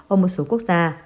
ở một số quốc gia